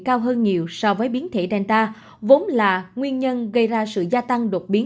cao hơn nhiều so với biến thể delta vốn là nguyên nhân gây ra sự gia tăng đột biến